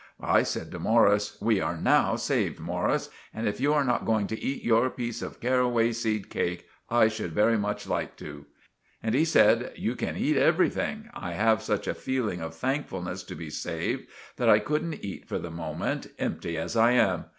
I said to Morris— "We are now saved, Morris, and if you are not going to eat your piece of carraway seed cake, I should very much like to." And he said— "You can eat everything. I have such a fealing of thankfulness to be saved, that I couldn't eat for the moment, empty as I am.